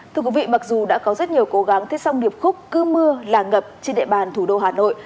thưa quý vị mặc dù đã có rất nhiều cố gắng thế song điệp khúc cứ mưa là ngập trên địa bàn thủ đô hà nội